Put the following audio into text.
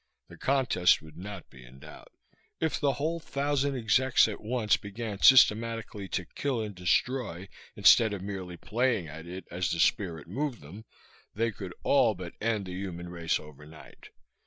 The contest would not be in doubt. If the whole thousand execs at once began systematically to kill and destroy, instead of merely playing at it as the spirit moved them, they could all but end the human race overnight.